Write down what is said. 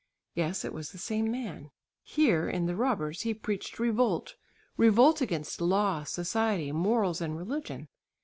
Yes, it was the same man. Here (in "The Robbers") he preached revolt, revolt against law, society, morals and religion.